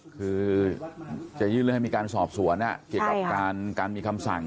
คือจะยื่นเรื่องให้มีการสอบสวนเกี่ยวกับการมีคำสั่ง